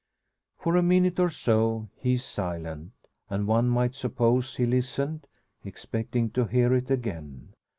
For a minute or so he is silent; and one might suppose he listened, expecting to hear it again.